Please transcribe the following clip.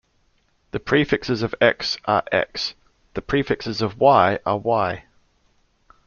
The prefixes of "X" are "X"; the prefixes of "Y" are "Y".